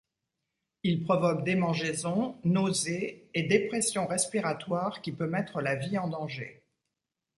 Il provoque démangeaisons, nausées et dépression respiratoire qui peut mettre la vie en danger.